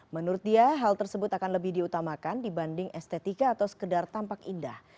menurut dia hal tersebut akan lebih diutamakan dibanding estetika atau sekedar tampak indah